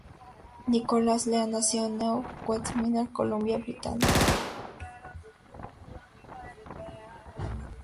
Nicholas Lea nació en New Westminster, Columbia Británica.